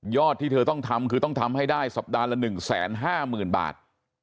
ที่เธอต้องทำคือต้องทำให้ได้สัปดาห์ละ๑๕๐๐๐บาท